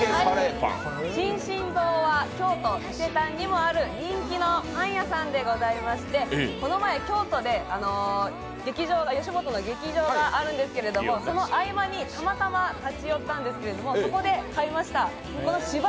進々堂は京都伊勢丹にもある人気のパン屋さんでございましてこの前、京都で吉本の劇場があるんですけれども、その合間にたまたま立ち寄ったんですけれどもそこで食べました。